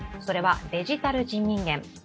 それはデジタル人民元。